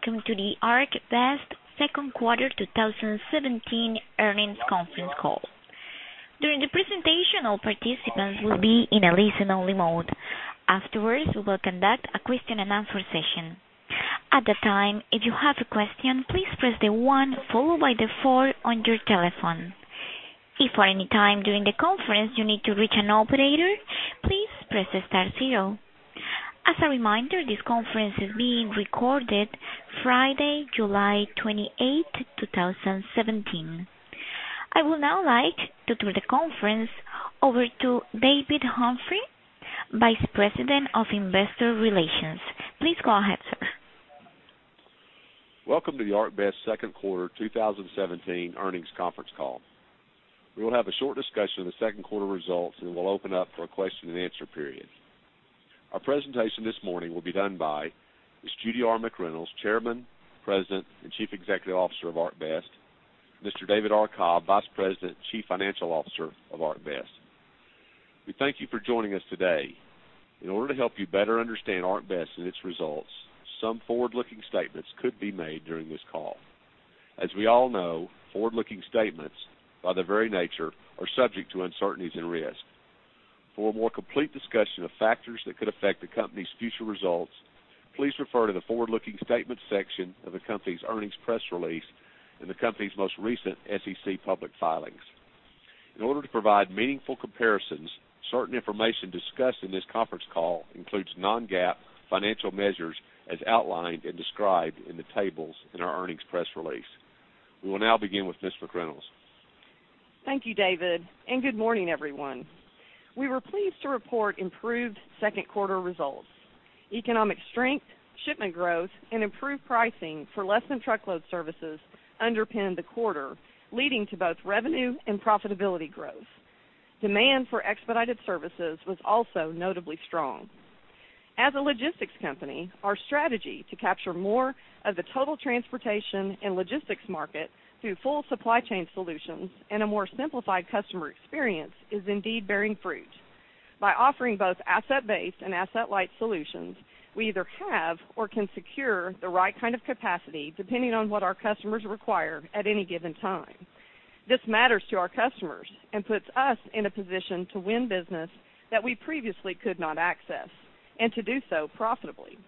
Welcome to the ArcBest Second Quarter 2017 Earnings Conference Call. During the presentation, all participants will be in a listen-only mode. Afterwards, we will conduct a question-and-answer session. At that time, if you have a question, please press the one followed by the four on your telephone. If at any time during the conference you need to reach an operator, please press star zero. As a reminder, this conference is being recorded Friday, July 28, 2017. I would now like to turn the conference over to David Humphrey, Vice President of Investor Relations. Please go ahead, sir. Welcome to the ArcBest Second Quarter 2017 Earnings Conference Call. We will have a short discussion of the second quarter results, and we'll open up for a question-and-answer period. Our presentation this morning will be done by Ms. Judy R. McReynolds, Chairman, President, and Chief Executive Officer of ArcBest, Mr. David R. Cobb, Vice President, Chief Financial Officer of ArcBest. We thank you for joining us today. In order to help you better understand ArcBest and its results, some forward-looking statements could be made during this call. As we all know, forward-looking statements, by their very nature, are subject to uncertainties and risks. For a more complete discussion of factors that could affect the company's future results, please refer to the forward looking statements section of the company's earnings press release and the company's most recent SEC public filings. In order to provide meaningful comparisons, certain information discussed in this conference call includes non-GAAP financial measures as outlined and described in the tables in our earnings press release. We will now begin with Ms. McReynolds. Thank you, David, and good morning, everyone. We were pleased to report improved second quarter results. Economic strength, shipment growth, and improved pricing for less than truckload services underpinned the quarter, leading to both revenue and profitability growth. Demand for expedited services was also notably strong. As a logistics company, our strategy to capture more of the total transportation and logistics market through full supply chain solutions and a more simplified customer experience is indeed bearing fruit. By offering both asset-based and asset-light solutions, we either have or can secure the right kind of capacity, depending on what our customers require at any given time. This matters to our customers and puts us in a position to win business that we previously could not access, and to do so profitably.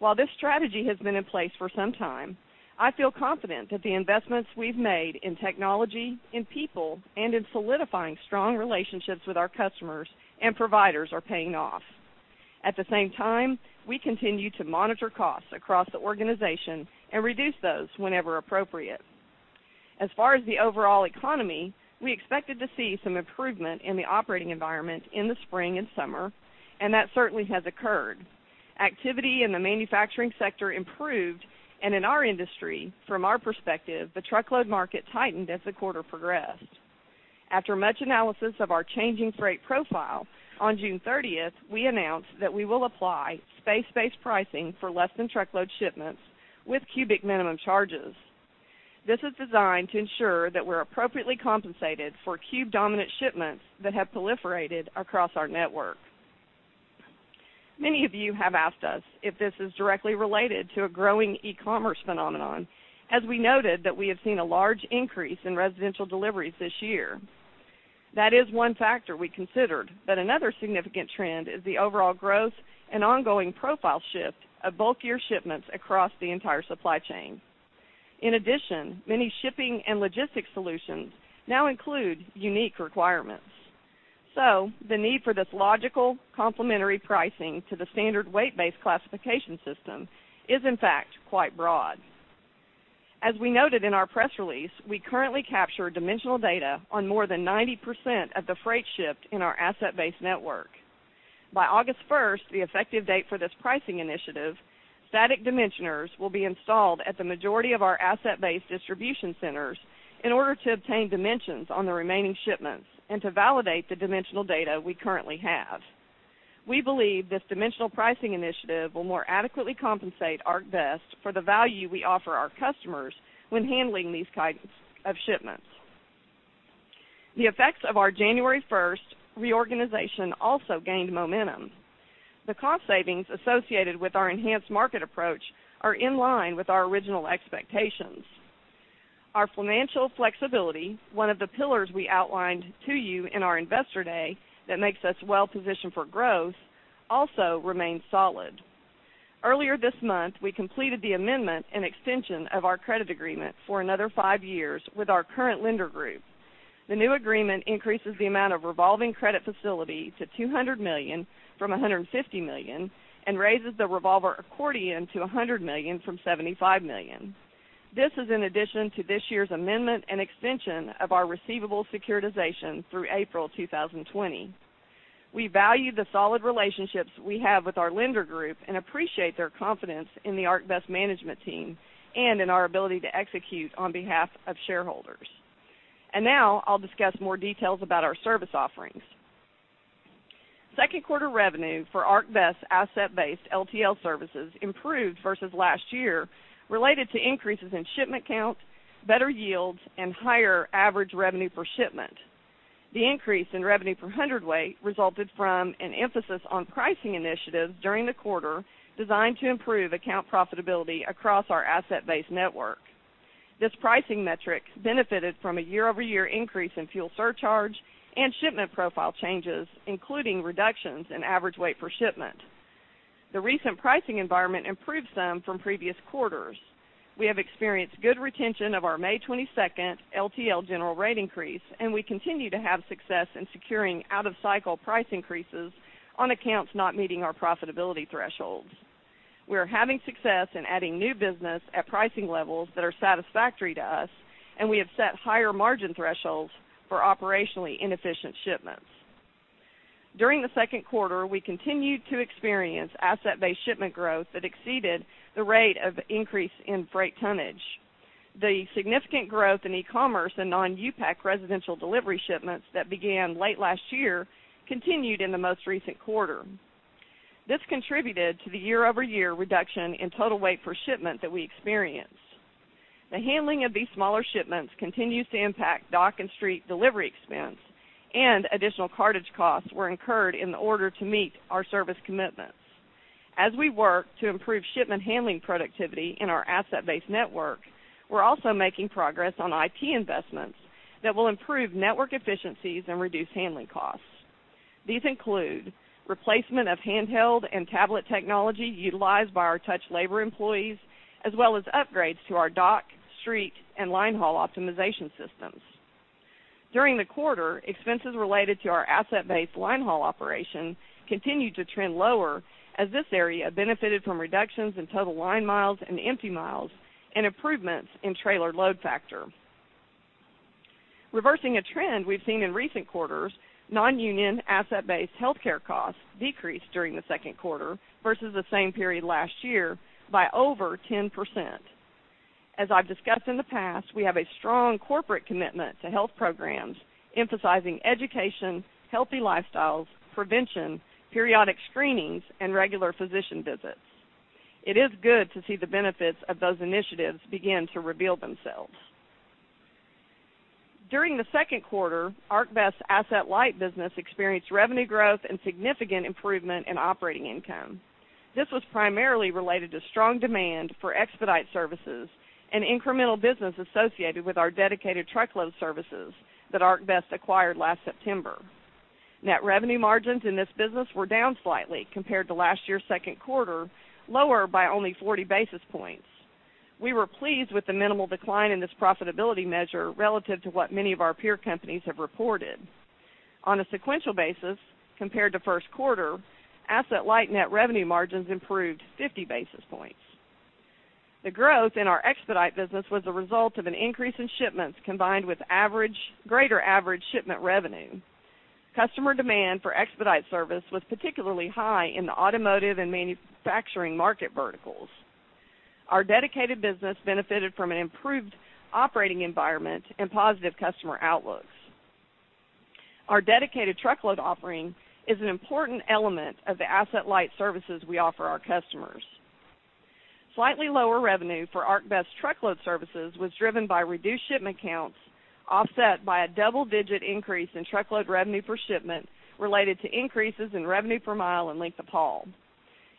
While this strategy has been in place for some time, I feel confident that the investments we've made in technology, in people, and in solidifying strong relationships with our customers and providers are paying off. At the same time, we continue to monitor costs across the organization and reduce those whenever appropriate. As far as the overall economy, we expected to see some improvement in the operating environment in the spring and summer, and that certainly has occurred. Activity in the manufacturing sector improved, and in our industry, from our perspective, the truckload market tightened as the quarter progressed. After much analysis of our changing freight profile, on June 30, we announced that we will apply space-based pricing for less-than-truckload shipments with cubic minimum charges. This is designed to ensure that we're appropriately compensated for cube-dominant shipments that have proliferated across our network. Many of you have asked us if this is directly related to a growing e-commerce phenomenon, as we noted that we have seen a large increase in residential deliveries this year. That is one factor we considered, but another significant trend is the overall growth and ongoing profile shift of bulkier shipments across the entire supply chain. In addition, many shipping and logistics solutions now include unique requirements. So the need for this logical, complementary pricing to the standard weight-based classification system is, in fact, quite broad. As we noted in our press release, we currently capture dimensional data on more than 90% of the freight shipped in our asset-based network. By August 1, the effective date for this pricing initiative, static dimensioners will be installed at the majority of our asset-based distribution centers in order to obtain dimensions on the remaining shipments and to validate the dimensional data we currently have. We believe this dimensional pricing initiative will more adequately compensate ArcBest for the value we offer our customers when handling these kinds of shipments. The effects of our January 1 reorganization also gained momentum. The cost savings associated with our enhanced market approach are in line with our original expectations. Our financial flexibility, one of the pillars we outlined to you in our Investor Day that makes us well-positioned for growth, also remains solid. Earlier this month, we completed the amendment and extension of our credit agreement for another five years with our current lender group. The new agreement increases the amount of revolving credit facility to $200 million from $150 million, and raises the revolver accordion to $100 million from $75 million. This is in addition to this year's amendment and extension of our receivable securitization through April 2020. We value the solid relationships we have with our lender group and appreciate their confidence in the ArcBest management team and in our ability to execute on behalf of shareholders. And now I'll discuss more details about our service offerings. Second quarter revenue for ArcBest asset-based LTL services improved versus last year, related to increases in shipment count, better yields, and higher average revenue per shipment. The increase in revenue per hundredweight resulted from an emphasis on pricing initiatives during the quarter, designed to improve account profitability across our asset-based network. This pricing metric benefited from a year-over-year increase in fuel surcharge and shipment profile changes, including reductions in average weight per shipment. The recent pricing environment improved some from previous quarters. We have experienced good retention of our May 22 LTL General Rate Increase, and we continue to have success in securing out-of-cycle price increases on accounts not meeting our profitability thresholds. We are having success in adding new business at pricing levels that are satisfactory to us, and we have set higher margin thresholds for operationally inefficient shipments. During the second quarter, we continued to experience asset-based shipment growth that exceeded the rate of increase in freight tonnage. The significant growth in e-commerce and non U-Pack residential delivery shipments that began late last year continued in the most recent quarter. This contributed to the year-over-year reduction in total weight per shipment that we experienced. The handling of these smaller shipments continues to impact dock and street delivery expense, and additional cartage costs were incurred in order to meet our service commitments. As we work to improve shipment handling productivity in our asset-based network, we're also making progress on IT investments that will improve network efficiencies and reduce handling costs. These include replacement of handheld and tablet technology utilized by our touch labor employees, as well as upgrades to our dock, street, and line haul optimization systems. During the quarter, expenses related to our asset-based line haul operation continued to trend lower, as this area benefited from reductions in total line miles and empty miles, and improvements in trailer load factor. Reversing a trend we've seen in recent quarters, non-union asset-based healthcare costs decreased during the second quarter versus the same period last year by over 10%. As I've discussed in the past, we have a strong corporate commitment to health programs, emphasizing education, healthy lifestyles, prevention, periodic screenings, and regular physician visits. It is good to see the benefits of those initiatives begin to reveal themselves. During the second quarter, ArcBest's asset-light business experienced revenue growth and significant improvement in operating income. This was primarily related to strong demand for expedite services and incremental business associated with our dedicated truckload services that ArcBest acquired last September. Net revenue margins in this business were down slightly compared to last year's second quarter, lower by only 40 basis points. We were pleased with the minimal decline in this profitability measure relative to what many of our peer companies have reported. On a sequential basis, compared to first quarter, asset-light net revenue margins improved 50 basis points. The growth in our expedite business was a result of an increase in shipments, combined with greater average shipment revenue. Customer demand for expedite service was particularly high in the automotive and manufacturing market verticals. Our dedicated business benefited from an improved operating environment and positive customer outlooks. Our dedicated truckload offering is an important element of the asset-light services we offer our customers. Slightly lower revenue for ArcBest truckload services was driven by reduced shipment counts, offset by a double-digit increase in truckload revenue per shipment, related to increases in revenue per mile and length of haul.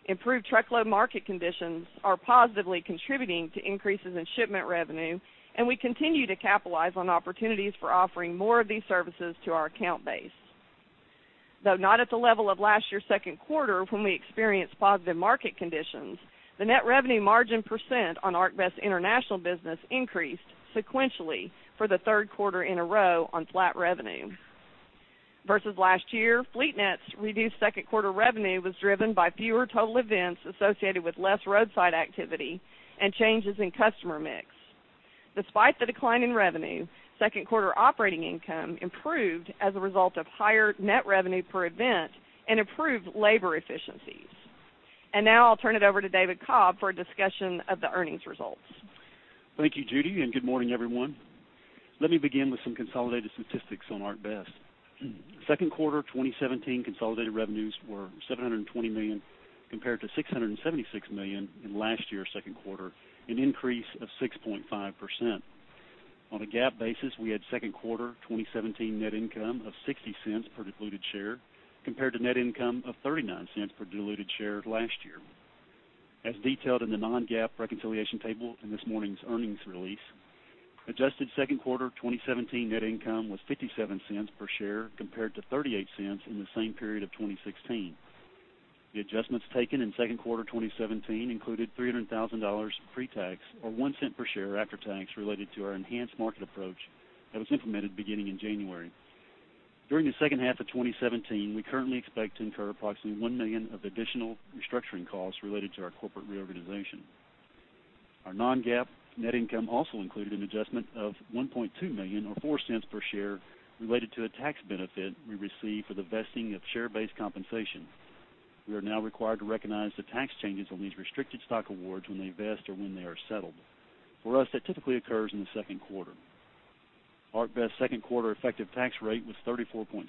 Improved truckload market conditions are positively contributing to increases in shipment revenue, and we continue to capitalize on opportunities for offering more of these services to our account base. Though not at the level of last year's second quarter, when we experienced positive market conditions, the net revenue margin percent on ArcBest international business increased sequentially for the third quarter in a row on flat revenue. Versus last year, FleetNet's reduced second quarter revenue was driven by fewer total events associated with less roadside activity and changes in customer mix. Despite the decline in revenue, second quarter operating income improved as a result of higher net revenue per event and improved labor efficiencies. Now I'll turn it over to David Cobb for a discussion of the earnings results. Thank you, Judy, and good morning, everyone. Let me begin with some consolidated statistics on ArcBest. Second quarter 2017 consolidated revenues were $720 million, compared to $676 million in last year's second quarter, an increase of 6.5%. On a GAAP basis, we had second quarter 2017 net income of $0.60 per diluted share, compared to net income of $0.39 per diluted share last year. As detailed in the non-GAAP reconciliation table in this morning's earnings release, adjusted second quarter 2017 net income was $0.57 per share, compared to $0.38 in the same period of 2016. The adjustments taken in second quarter 2017 included $300 thousand pre-tax, or $0.01 per share after tax, related to our enhanced market approach that was implemented beginning in January. During the second half of 2017, we currently expect to incur approximately $1 million of additional restructuring costs related to our corporate reorganization. Our non-GAAP net income also included an adjustment of $1.2 million, or $0.04 per share, related to a tax benefit we received for the vesting of share-based compensation. We are now required to recognize the tax changes on these restricted stock awards when they vest or when they are settled. For us, that typically occurs in the second quarter. ArcBest's second quarter effective tax rate was 34.6%,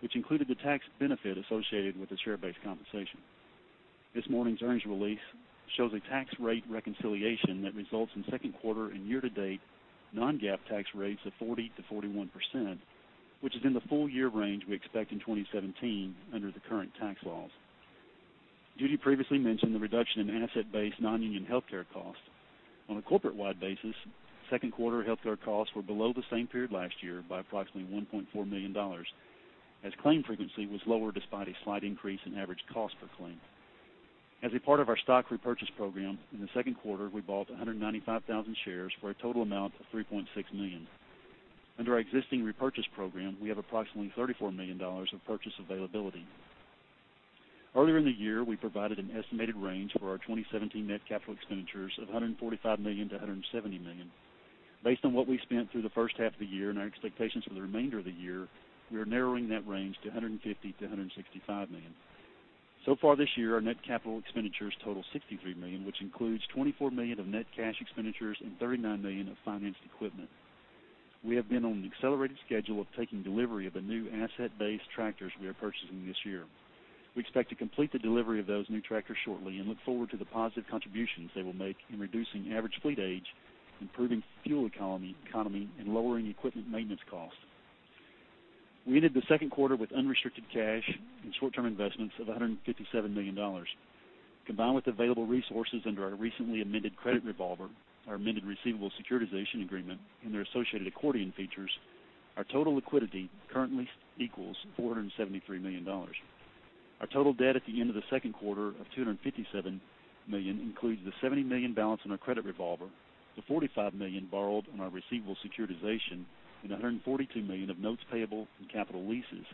which included the tax benefit associated with the share-based compensation. This morning's earnings release shows a tax rate reconciliation that results in second quarter and year-to-date non-GAAP tax rates of 40%-41%, which is in the full year range we expect in 2017 under the current tax laws. Judy previously mentioned the reduction in asset-based non-union healthcare costs. On a corporate-wide basis, second quarter healthcare costs were below the same period last year by approximately $1.4 million, as claim frequency was lower, despite a slight increase in average cost per claim. As a part of our stock repurchase program, in the second quarter, we bought 195,000 shares for a total amount of $3.6 million. Under our existing repurchase program, we have approximately $34 million of purchase availability. Earlier in the year, we provided an estimated range for our 2017 net capital expenditures of $145 million-$170 million. Based on what we spent through the first half of the year and our expectations for the remainder of the year, we are narrowing that range to $150 million-$165 million. So far this year, our net capital expenditures total $63 million, which includes $24 million of net cash expenditures and $39 million of financed equipment. We have been on an accelerated schedule of taking delivery of the new asset-based tractors we are purchasing this year. We expect to complete the delivery of those new tractors shortly and look forward to the positive contributions they will make in reducing average fleet age, improving fuel economy, economy, and lowering equipment maintenance costs. We ended the second quarter with unrestricted cash and short-term investments of $157 million. Combined with available resources under our recently amended credit revolver, our amended receivable securitization agreement, and their associated accordion features, our total liquidity currently equals $473 million. Our total debt at the end of the second quarter of $257 million includes the $70 million balance on our credit revolver, the $45 million borrowed on our receivable securitization, and $142 million of notes payable and capital leases,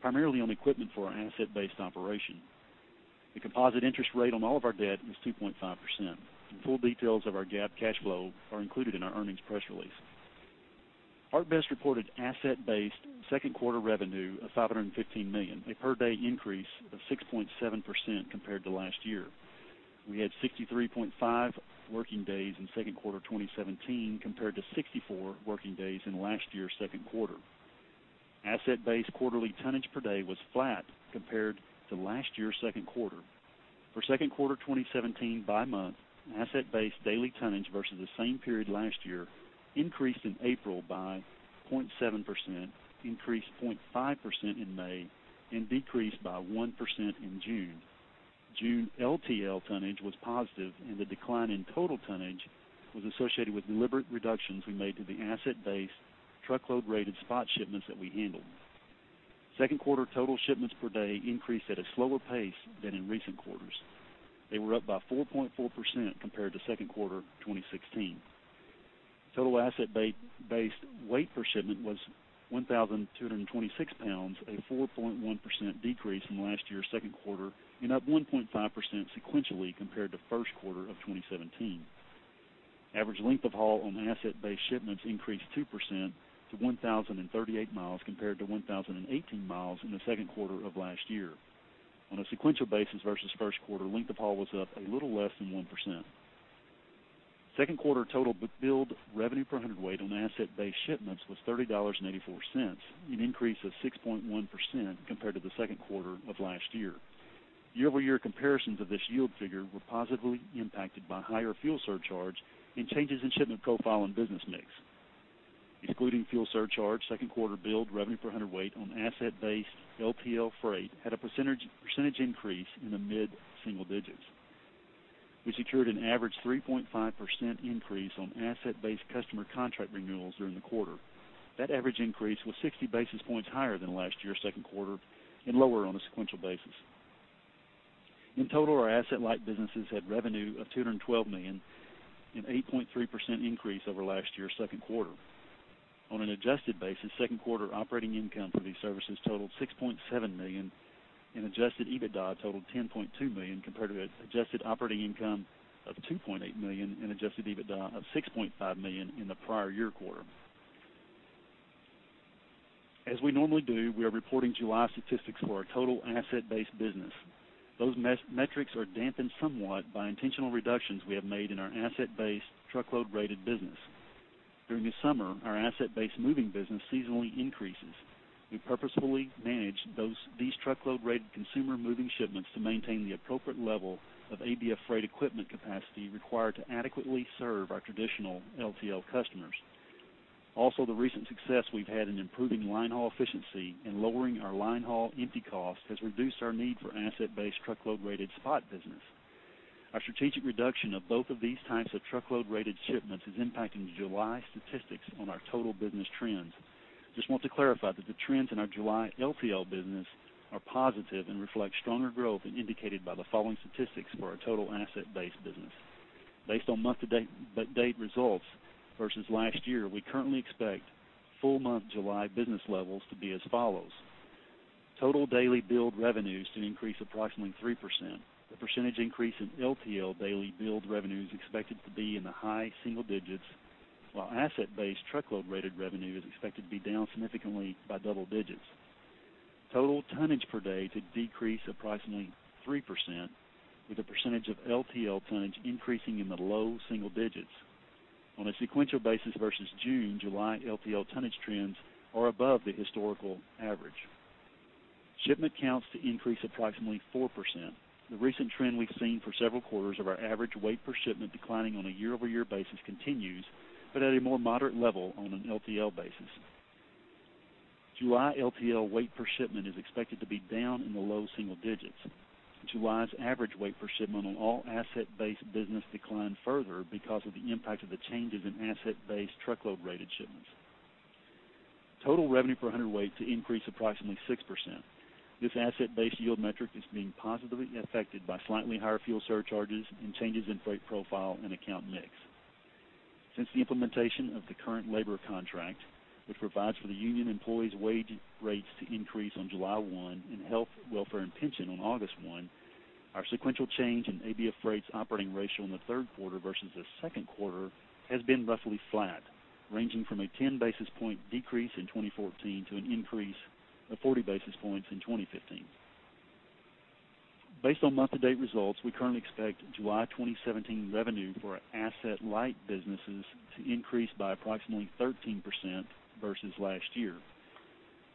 primarily on equipment for our asset-based operation. The composite interest rate on all of our debt was 2.5%, and full details of our GAAP cash flow are included in our earnings press release. ArcBest reported asset-based second quarter revenue of $515 million, a per day increase of 6.7% compared to last year. We had 63.5 working days in second quarter 2017 compared to 64 working days in last year's second quarter. Asset-based quarterly tonnage per day was flat compared to last year's second quarter. For second quarter 2017 by month, asset-based daily tonnage versus the same period last year increased in April by 0.7%, increased 0.5% in May, and decreased by 1% in June. June LTL tonnage was positive, and the decline in total tonnage was associated with deliberate reductions we made to the asset-based truckload rated spot shipments that we handled. Second quarter total shipments per day increased at a slower pace than in recent quarters. They were up by 4.4% compared to second quarter 2016. Total asset-based weight per shipment was 1,226 pounds, a 4.1% decrease from last year's second quarter, and up 1.5% sequentially compared to first quarter of 2017. Average length of haul on asset-based shipments increased 2% to 1,038 miles compared to 1,018 miles in the second quarter of last year. On a sequential basis versus first quarter, length of haul was up a little less than 1%. Second quarter total billed revenue per hundredweight on asset-based shipments was $30.84, an increase of 6.1% compared to the second quarter of last year. Year-over-year comparisons of this yield figure were positively impacted by higher fuel surcharges and changes in shipment profile and business mix. Excluding fuel surcharge, second quarter billed revenue per hundredweight on asset-based LTL freight had a percentage increase in the mid-single digits. We secured an average 3.5% increase on asset-based customer contract renewals during the quarter. That average increase was 60 basis points higher than last year's second quarter and lower on a sequential basis. In total, our asset-light businesses had revenue of $212 million, an 8.3% increase over last year's second quarter. On an adjusted basis, second quarter operating income for these services totaled $6.7 million, and adjusted EBITDA totaled $10.2 million compared to an adjusted operating income of $2.8 million and adjusted EBITDA of $6.5 million in the prior year quarter. As we normally do, we are reporting July statistics for our total asset-based business. Those metrics are dampened somewhat by intentional reductions we have made in our asset-based truckload-rated business. During the summer, our asset-based moving business seasonally increases. We purposefully manage these truckload-rated consumer moving shipments to maintain the appropriate level of ABF Freight equipment capacity required to adequately serve our traditional LTL customers. Also, the recent success we've had in improving line haul efficiency and lowering our line haul empty costs has reduced our need for asset-based truckload-rated spot business. Our strategic reduction of both of these types of truckload-rated shipments is impacting the July statistics on our total business trends. Just want to clarify that the trends in our July LTL business are positive and reflect stronger growth than indicated by the following statistics for our total asset-based business. Based on month-to-date data results versus last year, we currently expect full month July business levels to be as follows, total daily billed revenues to increase approximately 3%. The percentage increase in LTL daily billed revenue is expected to be in the high single digits, while asset-based truckload rated revenue is expected to be down significantly by double digits. Total tonnage per day to decrease approximately 3%, with a percentage of LTL tonnage increasing in the low single digits. On a sequential basis versus June, July LTL tonnage trends are above the historical average. Shipment counts to increase approximately 4%. The recent trend we've seen for several quarters of our average weight per shipment declining on a year-over-year basis continues, but at a more moderate level on an LTL basis. July LTL weight per shipment is expected to be down in the low single digits. July's average weight per shipment on all asset-based business declined further because of the impact of the changes in asset-based truckload-rated shipments. Total revenue per hundredweight to increase approximately 6%. This asset-based yield metric is being positively affected by slightly higher fuel surcharges and changes in freight profile and account mix. Since the implementation of the current labor contract, which provides for the union employees' wage rates to increase on July 1, and health, welfare, and pension on August 1, our sequential change in ABF Freight's operating ratio in the third quarter versus the second quarter has been roughly flat, ranging from a 10 basis point decrease in 2014 to an increase of 40 basis points in 2015. Based on month-to-date results, we currently expect July 2017 revenue for our asset-light businesses to increase by approximately 13% versus last year.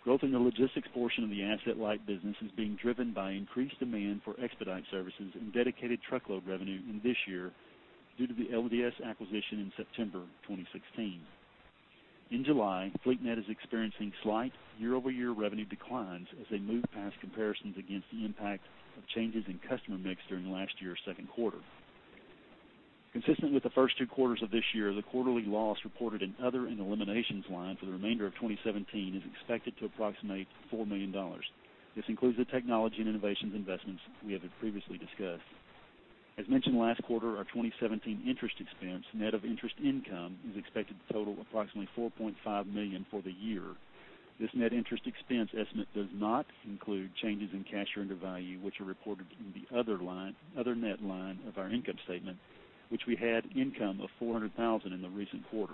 Growth in the logistics portion of the asset-light business is being driven by increased demand for expedite services and dedicated truckload revenue in this year due to the LDS acquisition in September 2016. In July, FleetNet is experiencing slight year-over-year revenue declines as they move past comparisons against the impact of changes in customer mix during last year's second quarter. Consistent with the first two quarters of this year, the quarterly loss reported in other and eliminations line for the remainder of 2017 is expected to approximate $4 million. This includes the technology and innovations investments we have previously discussed. As mentioned last quarter, our 2017 interest expense, net of interest income, is expected to total approximately $4.5 million for the year. This net interest expense estimate does not include changes in cash surrender value, which are reported in the other line, other net line of our income statement, which we had income of $400,000 in the recent quarter.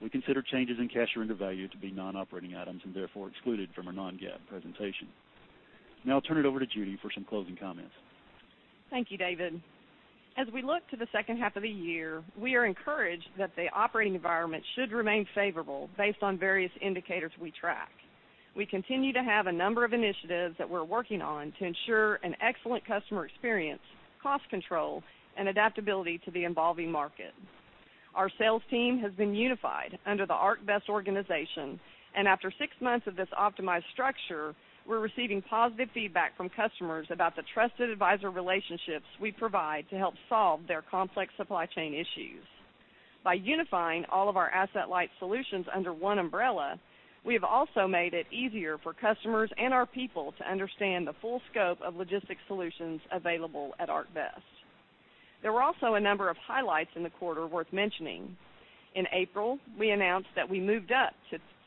We consider changes in cash surrender value to be non-operating items, and therefore excluded from our non-GAAP presentation. Now I'll turn it over to Judy for some closing comments. Thank you, David. As we look to the second half of the year, we are encouraged that the operating environment should remain favorable based on various indicators we track. We continue to have a number of initiatives that we're working on to ensure an excellent customer experience, cost control, and adaptability to the evolving market. Our sales team has been unified under the ArcBest organization, and after six months of this optimized structure, we're receiving positive feedback from customers about the trusted advisor relationships we provide to help solve their complex supply chain issues. By unifying all of our asset-light solutions under one umbrella, we have also made it easier for customers and our people to understand the full scope of logistics solutions available at ArcBest. There were also a number of highlights in the quarter worth mentioning. In April, we announced that we moved up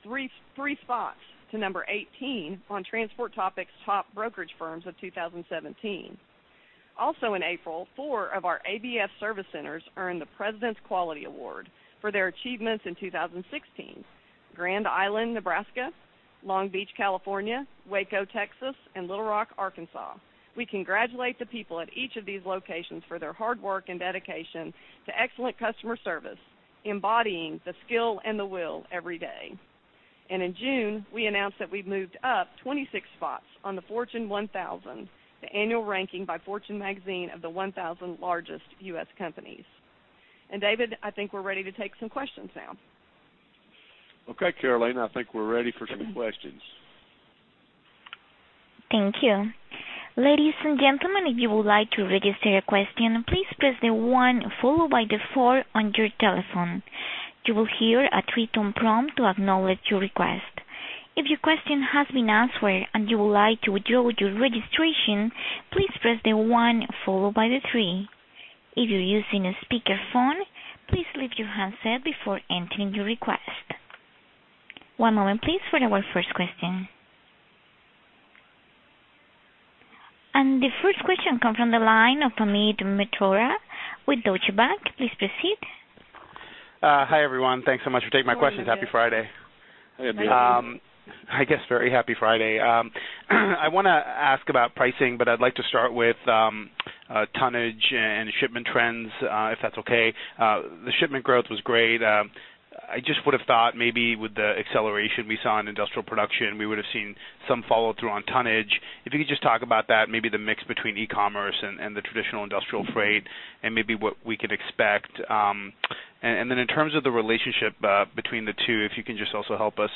three spots to number 18 on Transport Topics' Top Brokerage Firms of 2017. Also in April, 4 of our ABF service centers earned the President's Quality Award for their achievements in 2016, Grand Island, Nebraska, Long Beach, California, Waco, Texas, and Little Rock, Arkansas. We congratulate the people at each of these locations for their hard work and dedication to excellent customer service, embodying the skill and the will every day. In June, we announced that we'd moved up 26 spots on the Fortune 1000, the annual ranking by Fortune Magazine of the 1,000 largest U.S. companies. David, I think we're ready to take some questions now. Okay, Caroline, I think we're ready for some questions. Thank you. Ladies and gentlemen, if you would like to register your question, please press the one followed by the four on your telephone. You will hear a three-tone prompt to acknowledge your request. If your question has been answered and you would like to withdraw your registration, please press the one followed by the three. If you're using a speakerphone, please leave your handset before entering your request. One moment, please, for our first question. The first question comes from the line of Amit Mehrotra with Deutsche Bank. Please proceed. Hi, everyone. Thanks so much for taking my questions. Happy Friday. Hi, Amit. I guess very happy Friday. I wanna ask about pricing, but I'd like to start with tonnage and shipment trends, if that's okay. The shipment growth was great. I just would have thought maybe with the acceleration we saw in industrial production, we would have seen some follow-through on tonnage. If you could just talk about that, maybe the mix between e-commerce and the traditional industrial freight and maybe what we could expect. And then in terms of the relationship between the two, if you can just also help us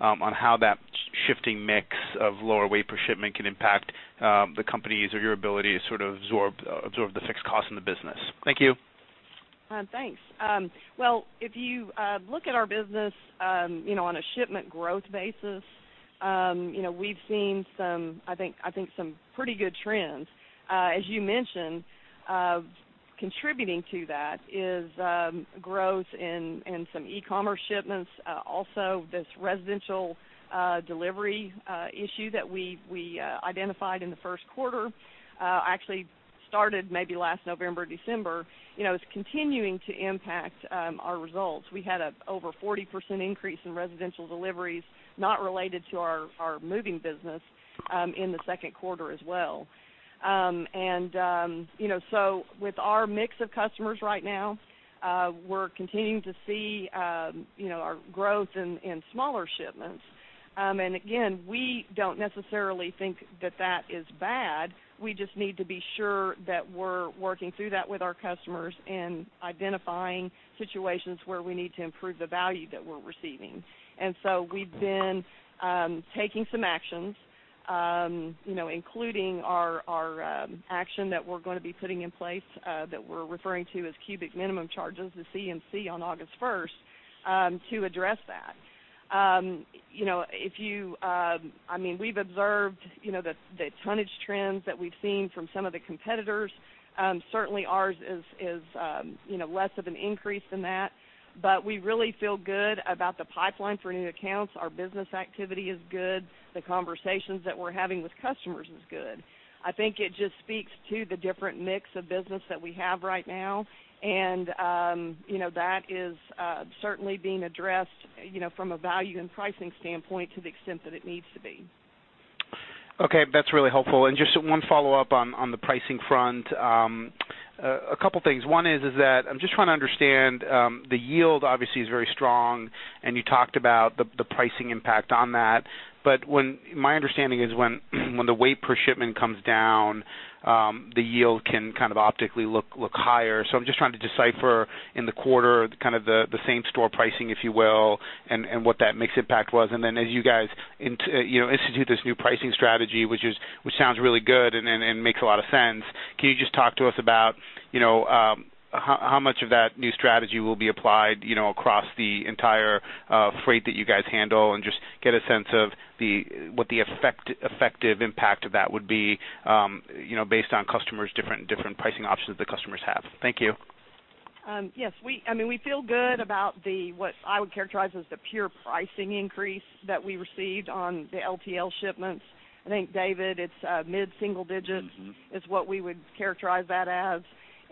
on how that shifting mix of lower weight per shipment can impact the companies or your ability to sort of absorb the fixed costs in the business. Thank you. Thanks. Well, if you look at our business, you know, on a shipment growth basis, you know, we've seen some, I think, I think some pretty good trends. As you mentioned, contributing to that is growth in some e-commerce shipments. Also, this residential delivery issue that we identified in the first quarter actually started maybe last November or December, you know, is continuing to impact our results. We had an over 40% increase in residential deliveries, not related to our moving business, in the second quarter as well. And, you know, so with our mix of customers right now, we're continuing to see, you know, our growth in smaller shipments. And again, we don't necessarily think that that is bad. We just need to be sure that we're working through that with our customers and identifying situations where we need to improve the value that we're receiving. And so we've been taking some actions, you know, including our action that we're gonna be putting in place that we're referring to as Cubic Minimum Charges, the CMC, on August first, to address that. You know, if you, I mean, we've observed, you know, the tonnage trends that we've seen from some of the competitors. Certainly ours is, you know, less of an increase than that. But we really feel good about the pipeline for new accounts. Our business activity is good. The conversations that we're having with customers is good. I think it just speaks to the different mix of business that we have right now. You know, that is certainly being addressed, you know, from a value and pricing standpoint to the extent that it needs to be. Okay, that's really helpful. And just one follow-up on the pricing front. A couple things. One is that I'm just trying to understand the yield obviously is very strong, and you talked about the pricing impact on that. But my understanding is when the weight per shipment comes down, the yield can kind of optically look higher. So I'm just trying to decipher in the quarter kind of the same-store pricing, if you will, and what that mix impact was. And then as you guys institute this new pricing strategy, you know, which sounds really good and makes a lot of sense, can you just talk to us about, you know, how much of that new strategy will be applied, you know, across the entire freight that you guys handle? Just get a sense of what the effective impact of that would be, you know, based on customers' different pricing options that the customers have. Thank you. Yes, I mean, we feel good about the, what I would characterize as the pure pricing increase that we received on the LTL shipments. I think, David, it's mid-single digits is what we would characterize that as.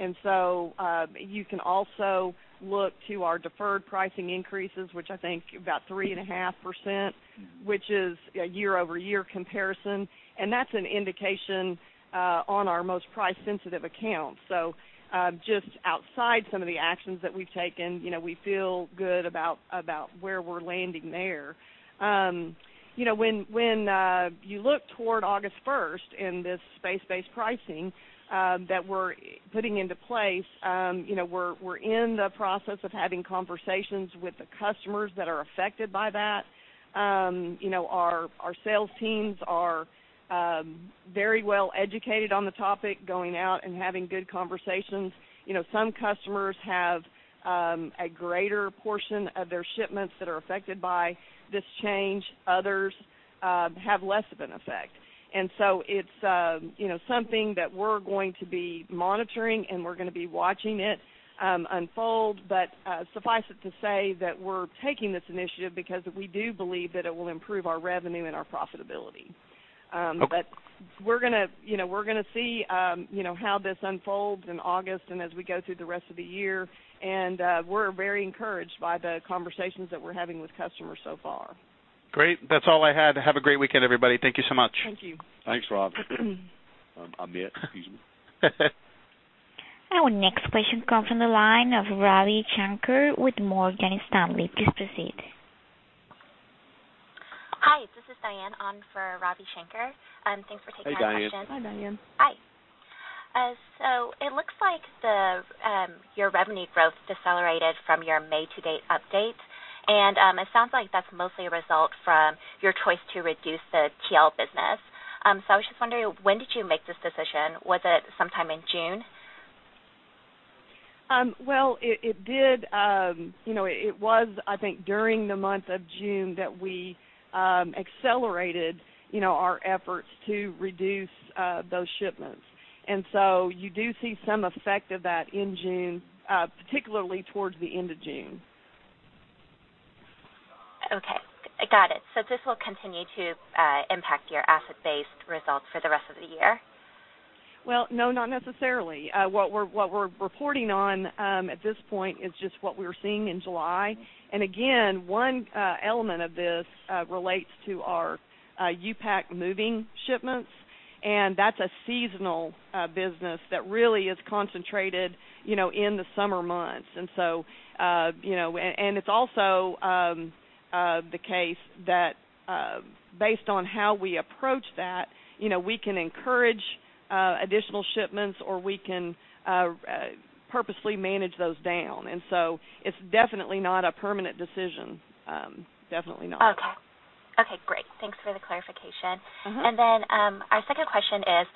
And so, you can also look to our deferred pricing increases, which I think about 3.5% which is a year-over-year comparison, and that's an indication on our most price-sensitive accounts. So, just outside some of the actions that we've taken, you know, we feel good about where we're landing there. You know, when you look toward August first and this space-based pricing that we're putting into place, you know, we're in the process of having conversations with the customers that are affected by that. You know, our sales teams are very well educated on the topic, going out and having good conversations. You know, some customers have a greater portion of their shipments that are affected by this change. Others have less of an effect. And so it's, you know, something that we're going to be monitoring, and we're gonna be watching it unfold. Suffice it to say that we're taking this initiative because we do believe that it will improve our revenue and our profitability. But we're gonna, you know, we're gonna see how this unfolds in August and as we go through the rest of the year. And we're very encouraged by the conversations that we're having with customers so far. Great. That's all I had. Have a great weekend, everybody. Thank you so much. Thank you. Thanks, Rob. I'm mute, excuse me. Our next question comes from the line of Ravi Shanker with Morgan Stanley. Please proceed. Hi, this is Diane on for Ravi Shanker. Thanks for taking my question. Hey, Diane. Hi. So it looks like your revenue growth decelerated from your May to date update, and it sounds like that's mostly a result from your choice to reduce the TL business. So I was just wondering, when did you make this decision? Was it sometime in June? Well, it did. You know, it was, I think, during the month of June that we accelerated, you know, our efforts to reduce those shipments. And so you do see some effect of that in June, particularly towards the end of June. Okay, got it. So this will continue to impact your asset-based results for the rest of the year? Well, no, not necessarily. What we're reporting on at this point is just what we're seeing in July. And again, one element of this relates to our U-Pack moving shipments, and that's a seasonal business that really is concentrated, you know, in the summer months. And so, you know, it's also the case that, based on how we approach that, you know, we can encourage additional shipments, or we can purposely manage those down. And so it's definitely not a permanent decision, definitely not. Okay. Okay, great. Thanks for the clarification. Our second question is,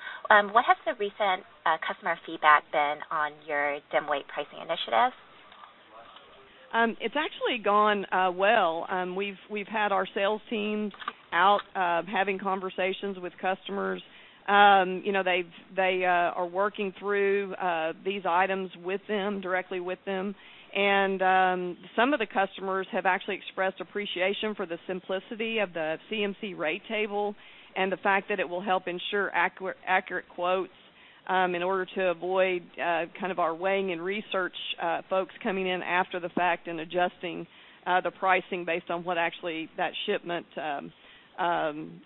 what has the recent customer feedback been on your dim weight pricing initiative? It's actually gone well. We've had our sales teams out having conversations with customers. You know, they are working through these items with them, directly with them. And some of the customers have actually expressed appreciation for the simplicity of the CMC rate table and the fact that it will help ensure accurate quotes in order to avoid kind of our weighing and research folks coming in after the fact and adjusting the pricing based on what actually that shipment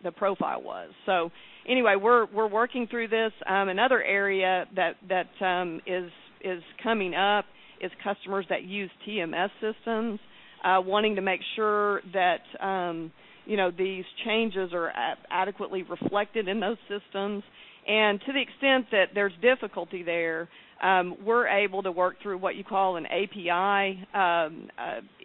the profile was. So anyway, we're working through this. Another area that is coming up is customers that use TMS systems wanting to make sure that you know these changes are adequately reflected in those systems. And to the extent that there's difficulty there. We're able to work through what you call an API,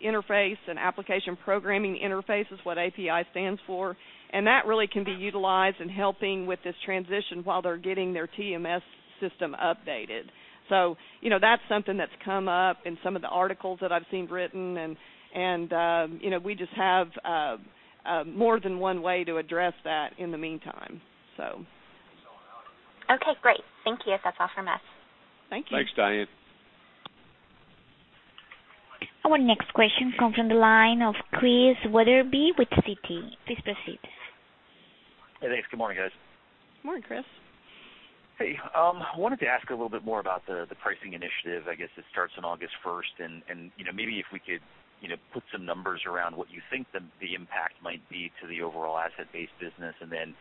interface, an application programming interface is what API stands for, and that really can be utilized in helping with this transition while they're getting their TMS system updated. So, you know, that's something that's come up in some of the articles that I've seen written, and, you know, we just have more than one way to address that in the meantime, so. Okay, great. Thank you. That's all from us. Thank you. Thanks, Diane. Our next question comes from the line of Chris Wetherbee with Citi. Please proceed. Hey, thanks. Good morning, guys. Good morning, Chris. Hey, I wanted to ask a little bit more about the pricing initiative. I guess it starts on August first, and you know, maybe if we could you know, put some numbers around what you think the impact might be to the overall asset-based business, and then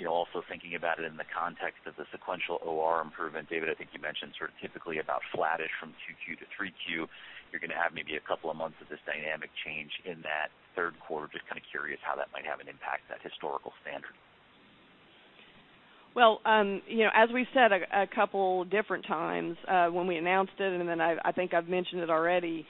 you know, also thinking about it in the context of the sequential OR improvement. David, I think you mentioned sort of typically about flattish from 2Q to 3Q, you're gonna have maybe a couple of months of this dynamic change in that third quarter. Just kind of curious how that might have an impact, that historical standard? Well, you know, as we've said a couple different times, when we announced it, and then I think I've mentioned it already,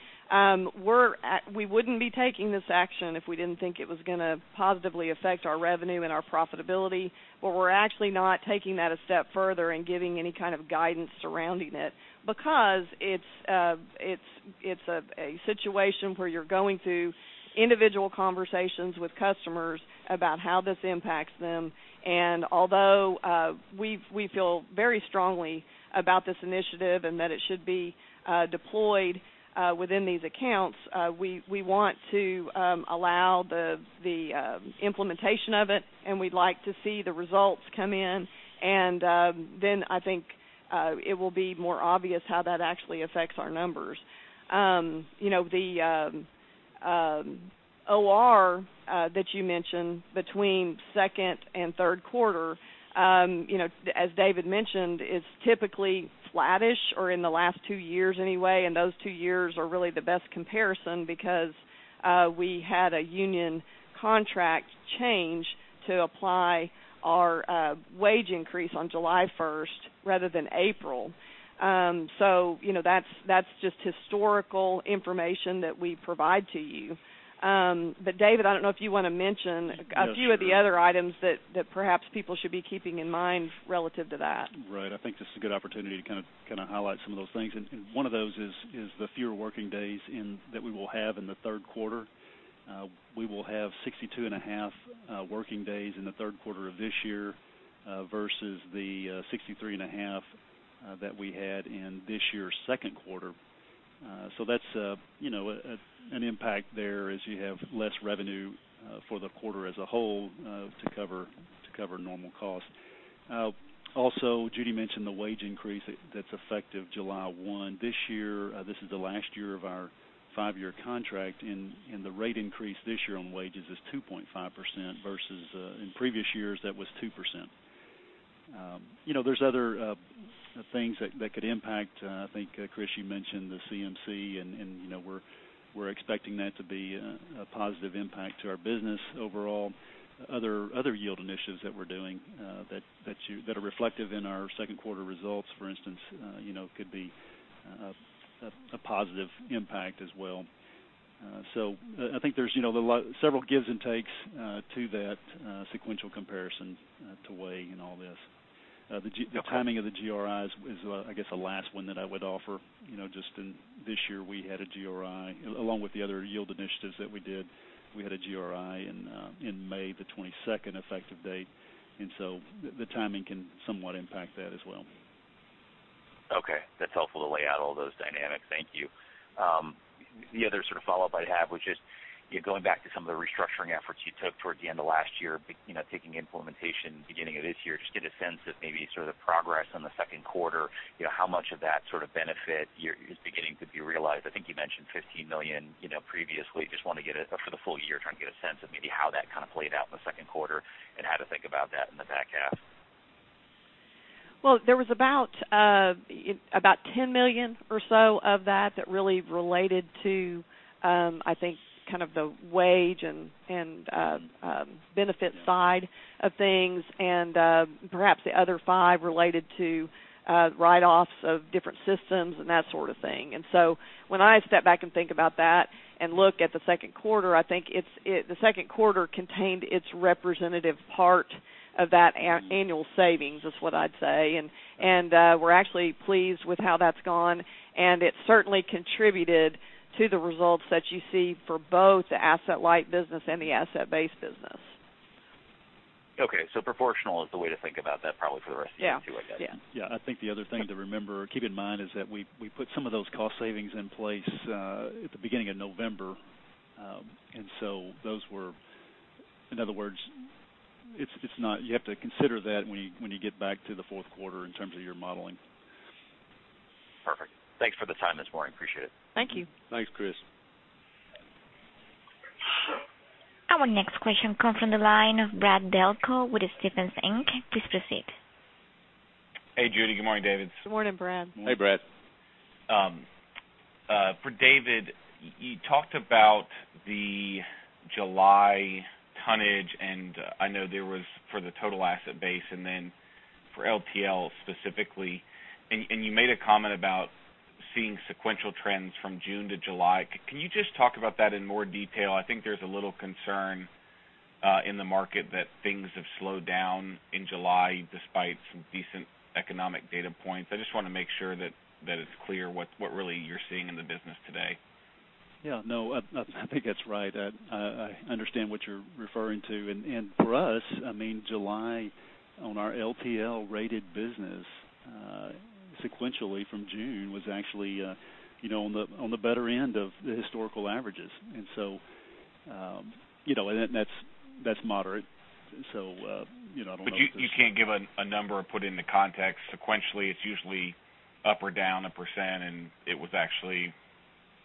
we wouldn't be taking this action if we didn't think it was gonna positively affect our revenue and our profitability. But we're actually not taking that a step further and giving any kind of guidance surrounding it because it's a situation where you're going through individual conversations with customers about how this impacts them. And although we've we feel very strongly about this initiative and that it should be deployed within these accounts, we want to allow the implementation of it, and we'd like to see the results come in. And then I think it will be more obvious how that actually affects our numbers. You know, the OR that you mentioned between second and third quarter, you know, as David mentioned, is typically flattish or in the last two years anyway, and those two years are really the best comparison because we had a union contract change to apply our wage increase on July first rather than April. So, you know, that's just historical information that we provide to you. But, David, I don't know if you wanna mention. Yeah, sure. A few of the other items that perhaps people should be keeping in mind relative to that. Right. I think this is a good opportunity to kind of highlight some of those things. And one of those is the fewer working days in that we will have in the third quarter. We will have 62.5 working days in the third quarter of this year versus the 63.5 that we had in this year's second quarter. So that's, you know, an impact there as you have less revenue for the quarter as a whole to cover normal costs. Also, Judy mentioned the wage increase that's effective July 1. This year, this is the last year of our five-year contract, and the rate increase this year on wages is 2.5% versus in previous years, that was 2%. You know, there's other things that could impact. I think, Chris, you mentioned the CMC, and you know, we're expecting that to be a positive impact to our business overall. Other yield initiatives that we're doing, that are reflective in our second quarter results, for instance, you know, could be a positive impact as well. So I think there's, you know, the several gives and takes to that sequential comparison to weigh in all this. The timing of the GRI is, I guess, the last one that I would offer. You know, just in this year, we had a GRI. Along with the other yield initiatives that we did, we had a GRI in May, the 22nd effective date, and so the timing can somewhat impact that as well. Okay. That's helpful to lay out all those dynamics. Thank you. The other sort of follow-up I'd have, which is, you know, going back to some of the restructuring efforts you took towards the end of last year, you know, taking implementation beginning of this year, just get a sense of maybe sort of the progress on the second quarter, you know, how much of that sort of benefit you're, is beginning to be realized. I think you mentioned $15 million, you know, previously. Just wanna get it for the full year, trying to get a sense of maybe how that kind of played out in the second quarter and how to think about that in the back half? Well, there was about $10 million or so of that that really related to, I think, kind of the wage and benefit side of things, and, perhaps the other five related to, write-offs of different systems and that sort of thing. And so when I step back and think about that and look at the second quarter, I think it's, the second quarter contained its representative part of that annual savings, is what I'd say. We're actually pleased with how that's gone, and it certainly contributed to the results that you see for both the asset-light business and the asset-based business. Okay, so proportional is the way to think about that, probably for the rest of the year, too, I guess? Yeah. Yeah. Yeah. I think the other thing to remember, keep in mind, is that we put some of those cost savings in place at the beginning of November. And so those were. In other words, it's not. You have to consider that when you get back to the fourth quarter in terms of your modeling. Perfect. Thanks for the time this morning. Appreciate it. Thank you. Thanks, Chris. Our next question comes from the line of Brad Delco with Stephens Inc. Please proceed. Hey, Judy. Good morning, David. Good morning, Brad. Hey, Brad. David, you talked about the July tonnage, and I know there was for the total asset base and then for LTL specifically, and you made a comment about seeing sequential trends from June to July. Can you just talk about that in more detail? I think there's a little concern in the market that things have slowed down in July, despite some decent economic data points. I just wanna make sure that it's clear what really you're seeing in the business today. Yeah, no, I think that's right. I understand what you're referring to. And for us, I mean, July on our LTL rated business, sequentially from June, was actually you know, on the better end of the historical averages. And so, you know, and that that's moderate. So, you know, I don't know if there's- But you can't give a number or put it into context. Sequentially, it's usually up or down a percent, and it was actually,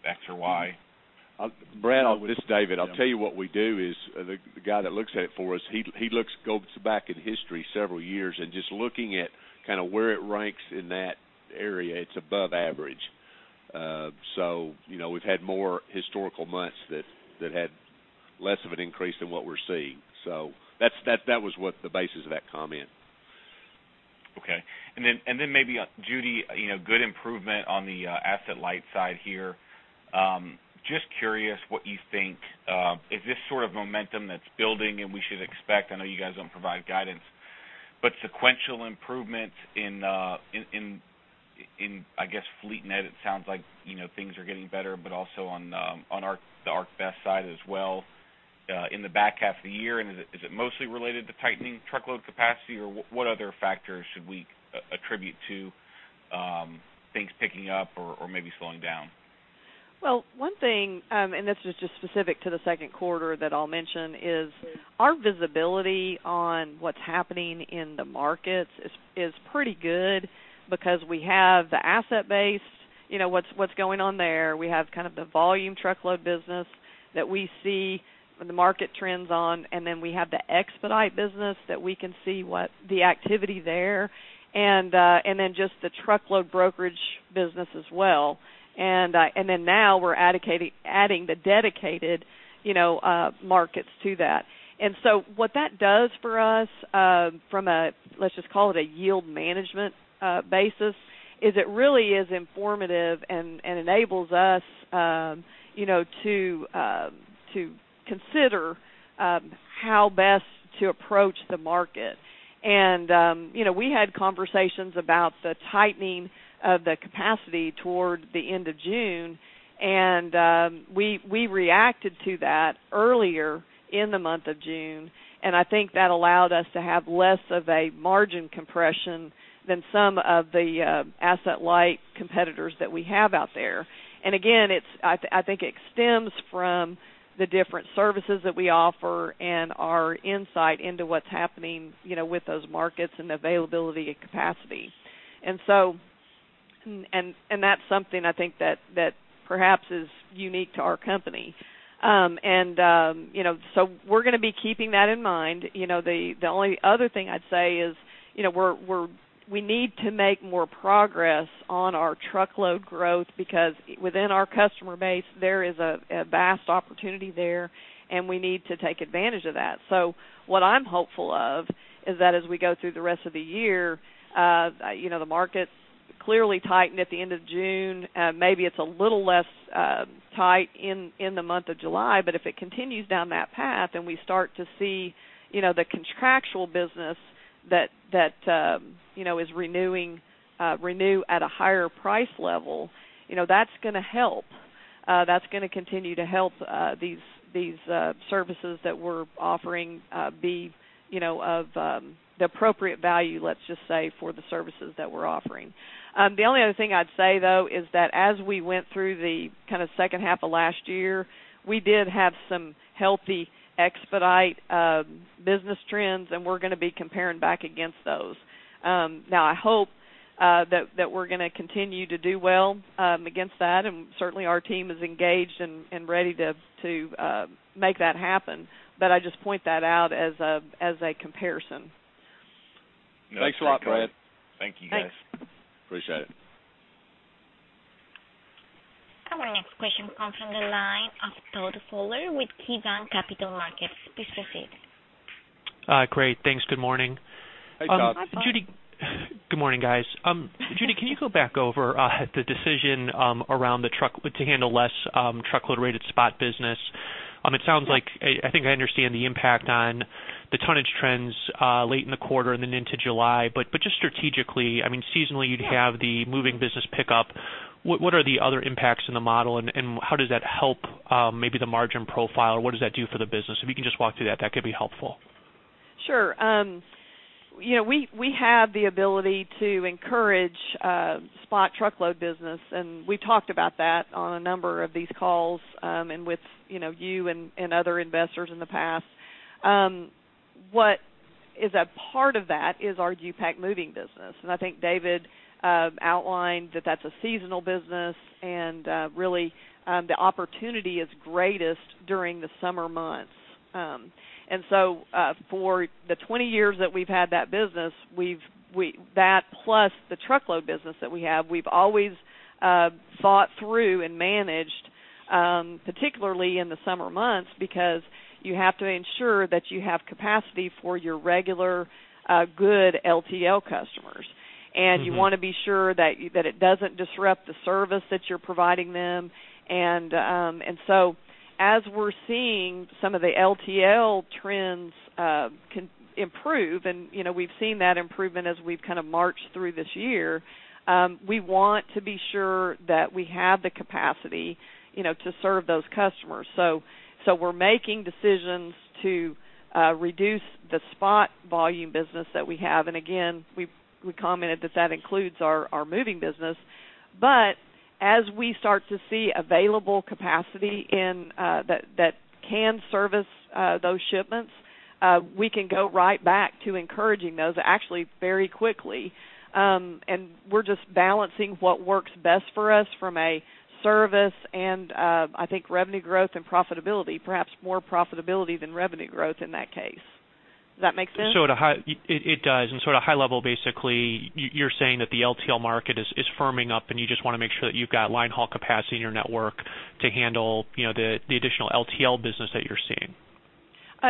X or Y. Brad, this is David. I'll tell you what we do is, the guy that looks at it for us, he looks, goes back in history several years and just looking at kinda where it ranks in that area, it's above average. So, you know, we've had more historical months that had less of an increase than what we're seeing. So that's what the basis of that comment. Okay. And then maybe, Judy, you know, good improvement on the asset-light side here. Just curious what you think, is this sort of momentum that's building and we should expect? I know you guys don't provide guidance, but sequential improvements in, I guess, FleetNet, it sounds like, you know, things are getting better, but also on, on our, the ArcBest side as well, in the back half of the year. And is it, is it mostly related to tightening truckload capacity, or what other factors should we attribute to, things picking up or maybe slowing down? Well, one thing, and this is just specific to the second quarter that I'll mention, is our visibility on what's happening in the markets is pretty good because we have the asset-based, you know, what's going on there. We have kind of the volume truckload business that we see the market trends on, and then we have the expedite business that we can see what the activity there, and then just the truckload brokerage business as well. And then now we're adding the dedicated, you know, markets to that. And so what that does for us, from a, let's just call it a yield management basis, is it really is informative and enables us, you know, to consider how best to approach the market. You know, we had conversations about the tightening of the capacity toward the end of June, and we reacted to that earlier in the month of June, and I think that allowed us to have less of a margin compression than some of the asset-light competitors that we have out there. And again, it's. I think it stems from the different services that we offer and our insight into what's happening, you know, with those markets and the availability and capacity. And so. And that's something I think that perhaps is unique to our company. You know, so we're gonna be keeping that in mind. You know, the only other thing I'd say is, you know, we need to make more progress on our truckload growth, because within our customer base, there is a vast opportunity there, and we need to take advantage of that. So what I'm hopeful of is that as we go through the rest of the year, you know, the market's clearly tightened at the end of June, maybe it's a little less tight in the month of July, but if it continues down that path and we start to see, you know, the contractual business that you know is renewing renew at a higher price level, you know, that's gonna help. That's gonna continue to help, these, these, services that we're offering, be, you know, of, the appropriate value, let's just say, for the services that we're offering. The only other thing I'd say, though, is that as we went through the kinda second half of last year, we did have some healthy expedite business trends, and we're gonna be comparing back against those. Now, I hope, that, that we're gonna continue to do well, against that, and certainly, our team is engaged and, and ready to, to, make that happen. But I just point that out as a, as a comparison. Thanks a lot, Brad. Thank you, guys. Thanks. Appreciate it. Our next question comes from the line of Todd Fowler with KeyBanc Capital Markets. Please proceed. Great. Thanks. Good morning. Hi, Todd. Hi, Todd. Good morning, guys. Judy, can you go back over the decision around the truck- to handle less truckload-rated spot business? It sounds like I think I understand the impact on the tonnage trends late in the quarter and then into July. But just strategically, I mean, seasonally, you'd have the moving business pick up. What are the other impacts in the model, and how does that help maybe the margin profile? Or what does that do for the business? If you can just walk through that, that could be helpful. Sure. You know, we have the ability to encourage spot truckload business, and we've talked about that on a number of these calls, and with you know, you and other investors in the past. What is a part of that is our U-Pack moving business, and I think David outlined that that's a seasonal business, and really, the opportunity is greatest during the summer months. And so, for the 20 years that we've had that business, that plus the truckload business that we have, we've always thought through and managed, particularly in the summer months, because you have to ensure that you have capacity for your regular good LTL customers. You want to be sure that it doesn't disrupt the service that you're providing them. So as we're seeing some of the LTL trends continue to improve, you know, we've seen that improvement as we've kind of marched through this year, we want to be sure that we have the capacity, you know, to serve those customers. So we're making decisions to reduce the spot volume business that we have. And again, we commented that that includes our moving business. But as we start to see available capacity in that that can service those shipments, we can go right back to encouraging those actually very quickly. And we're just balancing what works best for us from a service and I think revenue growth and profitability, perhaps more profitability than revenue growth in that case. Does that make sense? It does. And so at a high level, basically, you're saying that the LTL market is firming up, and you just wanna make sure that you've got line haul capacity in your network to handle, you know, the additional LTL business that you're seeing?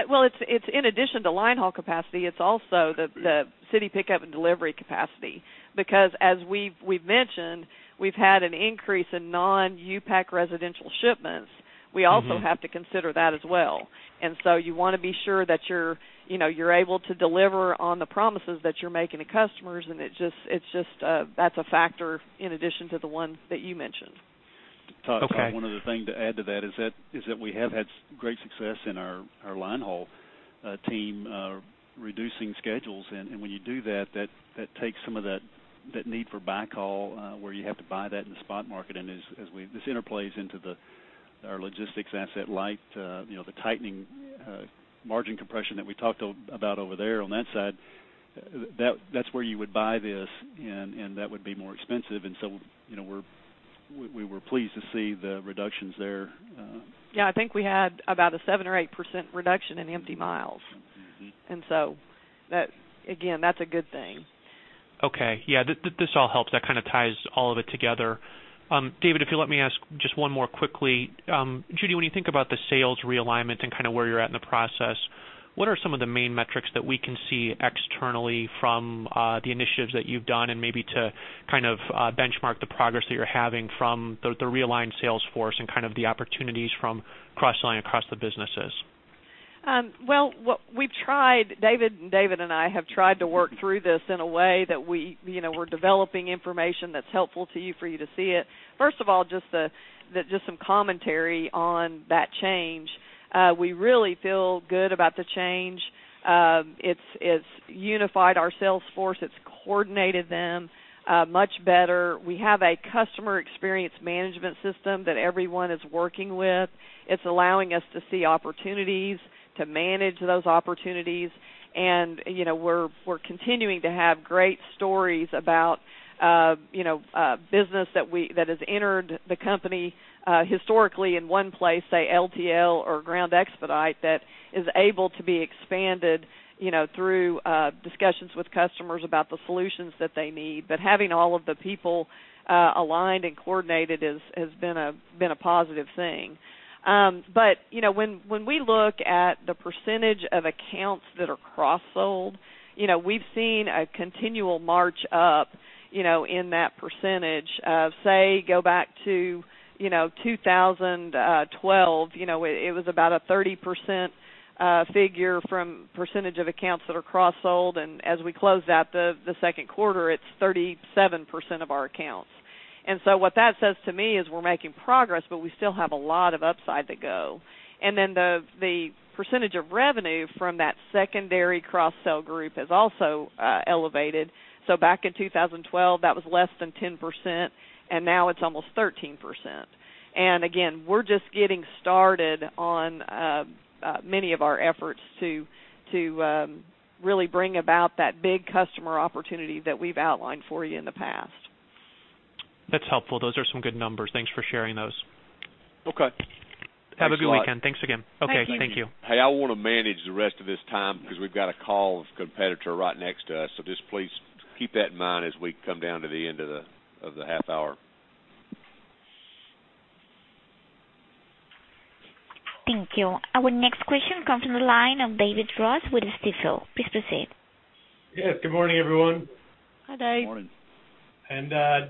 Well, it's in addition to line haul capacity. It's also the city pickup and delivery capacity. Because as we've mentioned, we've had an increase in non U-Pack residential shipment. We also have to consider that as well. And so you wanna be sure that you're, you know, you're able to deliver on the promises that you're making to customers, and it just, that's a factor in addition to the ones that you mentioned. Okay. Todd, one other thing to add to that is that we have had great success in our line haul team reducing schedules. And when you do that, that takes some of that need for backhaul where you have to buy that in the spot market. And as we, this interplays into our logistics asset-light, you know, the tightening margin compression that we talked about over there on that side, that's where you would buy this, and that would be more expensive. And so, you know, we were pleased to see the reductions there. Yeah, I think we had about a 7% or 8% reduction in empty miles. So that, again, that's a good thing. Okay. Yeah, this all helps. That kind of ties all of it together. David, if you let me ask just one more quickly. Judy, when you think about the sales realignment and kind of where you're at in the process, what are some of the main metrics that we can see externally from the initiatives that you've done, and maybe to kind of benchmark the progress that you're having from the realigned sales force and kind of the opportunities from cross-selling across the businesses? Well, what we've tried, David, David and I have tried to work through this in a way that we, you know, we're developing information that's helpful to you for you to see it. First of all, just some commentary on that change. We really feel good about the change. It's unified our sales force. It's coordinated them much better. We have a customer experience management system that everyone is working with. It's allowing us to see opportunities, to manage those opportunities. And, you know, we're continuing to have great stories about business that has entered the company historically in one place, say LTL or ground expedite, that is able to be expanded, you know, through discussions with customers about the solutions that they need. But having all of the people aligned and coordinated has been a positive thing. You know, when we look at the percentage of accounts that are cross-sold, you know, we've seen a continual march up, you know, in that percentage. Say, go back to 2012, you know, it was about a 30% figure from percentage of accounts that are cross-sold, and as we close out the second quarter, it's 37% of our accounts. And so what that says to me is we're making progress, but we still have a lot of upside to go. And then the percentage of revenue from that secondary cross-sell group has also elevated. So back in 2012, that was less than 10%, and now it's almost 13%. And again, we're just getting started on many of our efforts to really bring about that big customer opportunity that we've outlined for you in the past. That's helpful. Those are some good numbers. Thanks for sharing those. Okay. Thanks a lot. Have a good weekend. Thanks again. Thank you. Okay, thank you. Hey, I wanna manage the rest of this time because we've got a call of competitor right next to us. So just please keep that in mind as we come down to the end of the half hour. Thank you. Our next question comes from the line of David Ross with Stifel. Please proceed. Yes, good morning, everyone. Hi, Dave. Good morning.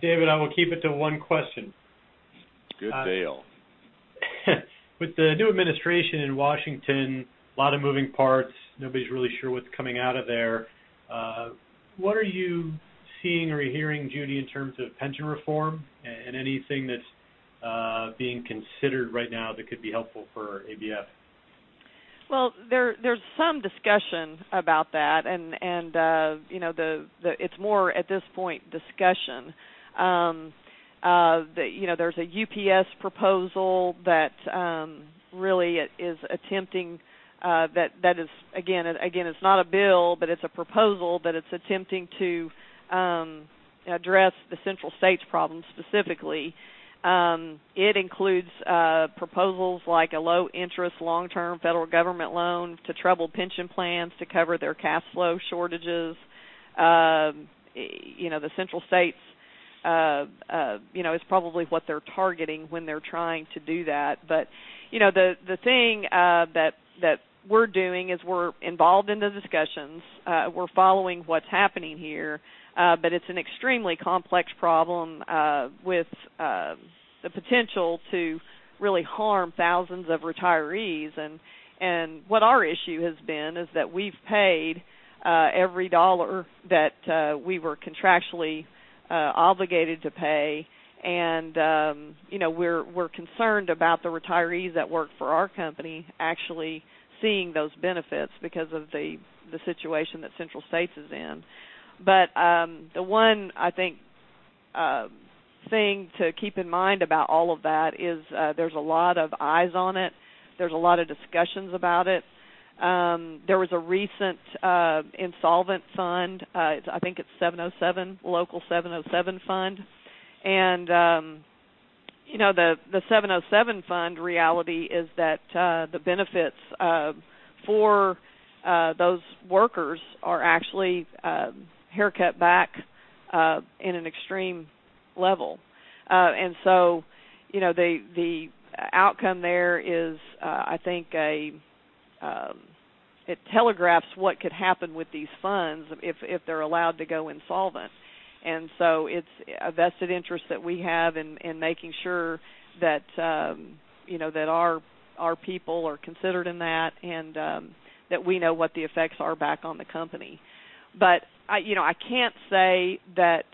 David, I will keep it to one question. Good deal. With the new administration in Washington, a lot of moving parts, nobody's really sure what's coming out of there, what are you seeing or hearing, Judy, in terms of pension reform and anything that's being considered right now that could be helpful for ABF? Well, there's some discussion about that, you know, it's more, at this point, discussion. The, you know, there's a UPS proposal that really is attempting, it's not a bill, but it's a proposal that it's attempting to address the Central States problem specifically. It includes proposals like a low interest, long-term federal government loan to troubled pension plans to cover their cash flow shortages. You know, the Central States, you know, is probably what they're targeting when they're trying to do that. But, you know, the thing that we're doing is we're involved in the discussions, we're following what's happening here, but it's an extremely complex problem, with the potential to really harm thousands of retirees. What our issue has been is that we've paid every dollar that we were contractually obligated to pay. And, you know, we're concerned about the retirees that work for our company actually seeing those benefits because of the situation that Central States is in. But, the one, I think, thing to keep in mind about all of that is, there's a lot of eyes on it. There's a lot of discussions about it. There was a recent insolvent fund, I think it's 707, Local 707 fund. And, you know, the 707 fund reality is that, the benefits for those workers are actually haircut back in an extreme level. and so, you know, the outcome there is, I think a, it telegraphs what could happen with these funds if they're allowed to go insolvent. And so it's a vested interest that we have in making sure that, you know, that our people are considered in that, and that we know what the effects are back on the company. But I, you know, I can't say that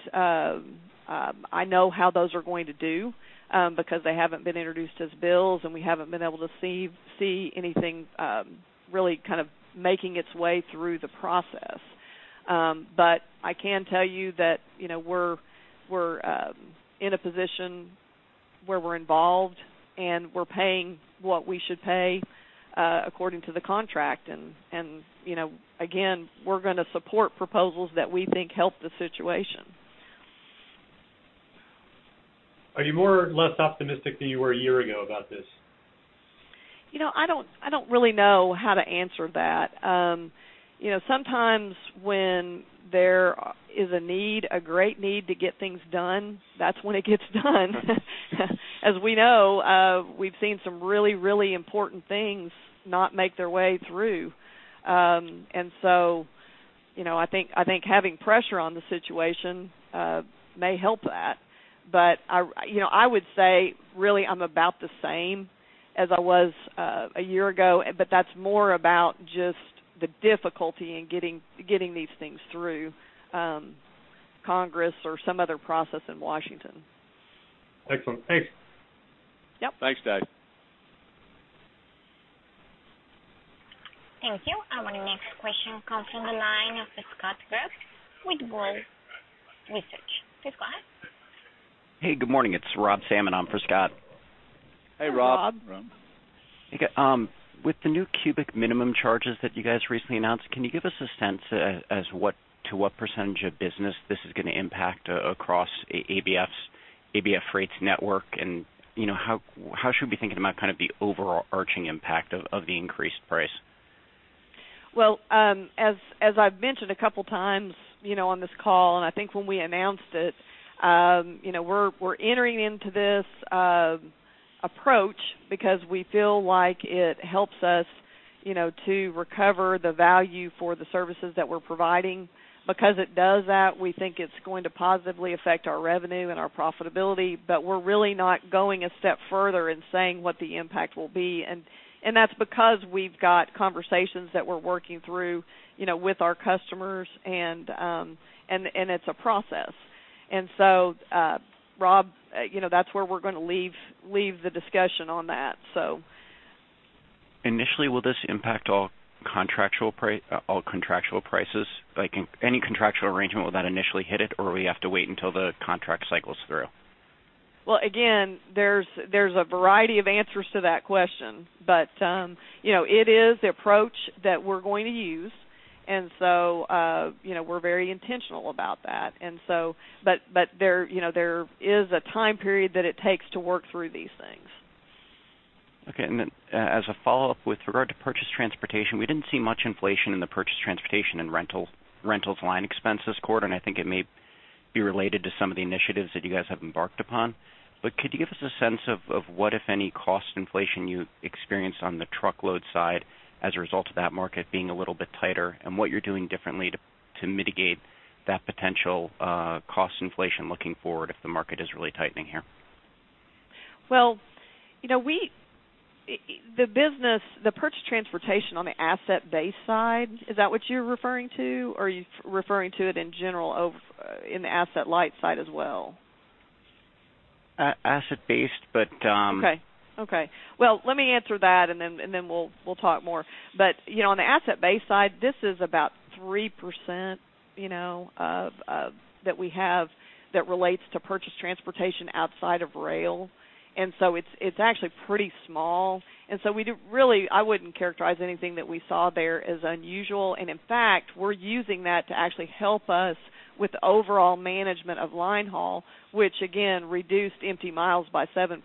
I know how those are going to do, because they haven't been introduced as bills, and we haven't been able to see anything really kind of making its way through the process. But I can tell you that, you know, we're in a position where we're involved, and we're paying what we should pay according to the contract. You know, again, we're gonna support proposals that we think help the situation. Are you more or less optimistic than you were a year ago about this? You know, I don't, I don't really know how to answer that. You know, sometimes when there is a need, a great need to get things done, that's when it gets done. As we know, we've seen some really, really important things not make their way through. And so, you know, I think, I think having pressure on the situation may help that. But I, you know, I would say, really, I'm about the same as I was a year ago, but that's more about just the difficulty in getting, getting these things through Congress or some other process in Washington. Excellent. Thanks. Yep. Thanks, Dave. Thank you. Our next question comes from the line of Scott Group with Wolfe Research. Please go ahead. Hey, good morning. It's Rob Salmon on for Scott. Hey, Rob. Rob. Hey, good. With the new Cubic Minimum Charges that you guys recently announced, can you give us a sense as to what percentage of business this is gonna impact across ABF's ABF Freight network? And, you know, how should we be thinking about kind of the overarching impact of the increased price? Well, as I've mentioned a couple times, you know, on this call, and I think when we announced it, you know, we're entering into this approach because we feel like it helps us, you know, to recover the value for the services that we're providing. Because it does that, we think it's going to positively affect our revenue and our profitability, but we're really not going a step further in saying what the impact will be. And that's because we've got conversations that we're working through, you know, with our customers, and it's a process. And so, Rob, you know, that's where we're gonna leave the discussion on that, so. Initially, will this impact all contractual prices? Like, in any contractual arrangement, will that initially hit it, or we have to wait until the contract cycles through? Well, again, there's a variety of answers to that question, but you know, it is the approach that we're going to use. And so, you know, we're very intentional about that. And so. But there, you know, there is a time period that it takes to work through these things. Okay. And then, as a follow-up, with regard to purchased transportation, we didn't see much inflation in the purchased transportation and rental, rentals line expense this quarter, and I think it may be related to some of the initiatives that you guys have embarked upon. But could you give us a sense of, of what, if any, cost inflation you experience on the truckload side as a result of that market being a little bit tighter, and what you're doing differently to, to mitigate that potential, cost inflation looking forward, if the market is really tightening here? Well, you know, we. The business, the purchased transportation on the asset-based side, is that what you're referring to, or are you referring to it in general of, in the asset-light side as well? Asset-based, but. Okay, okay. Well, let me answer that, and then, and then we'll, we'll talk more. But, you know, on the asset-based side, this is about 3%, you know, of, that we have that relates to purchased transportation outside of rail. And so it's, it's actually pretty small. And so we do really, I wouldn't characterize anything that we saw there as unusual. And in fact, we're using that to actually help us with the overall management of line haul, which again, reduced empty miles by 7%.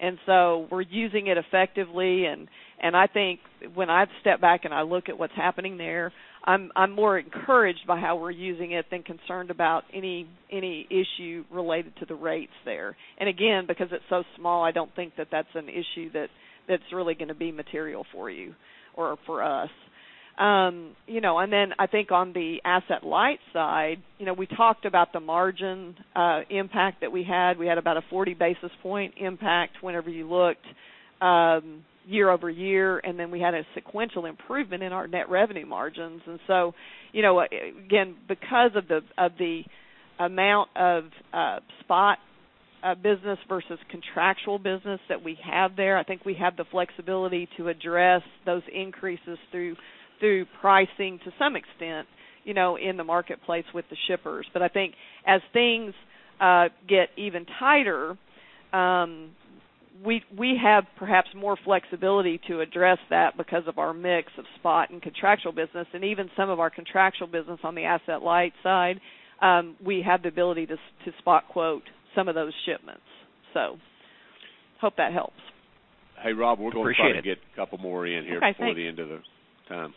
And so we're using it effectively, and, and I think when I step back and I look at what's happening there, I'm, I'm more encouraged by how we're using it than concerned about any, any issue related to the rates there. And again, because it's so small, I don't think that that's an issue that that's really gonna be material for you or for us. You know, and then I think on the asset light side, you know, we talked about the margin impact that we had. We had about a 40 basis point impact whenever you looked year-over-year, and then we had a sequential improvement in our net revenue margins. And so, you know, again, because of the amount of spot business versus contractual business that we have there, I think we have the flexibility to address those increases through pricing to some extent, you know, in the marketplace with the shippers. But I think as things get even tighter, we have perhaps more flexibility to address that because of our mix of spot and contractual business, and even some of our contractual business on the asset-light side, we have the ability to spot quote some of those shipments. So hope that helps. Hey, Rob, we're going to try to get a couple more in here. Appreciate it. Okay, thanks. Before the end of the time.